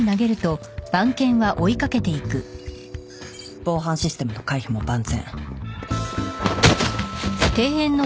・防犯システムの回避も万全。